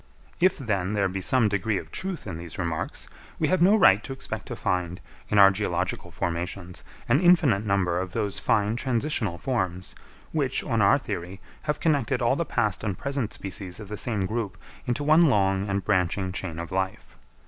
If then there be some degree of truth in these remarks, we have no right to expect to find, in our geological formations, an infinite number of those fine transitional forms, which, on our theory, have connected all the past and present species of the same group into one long and branching chain of life.